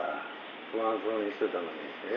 不安そうにしてたのにええ？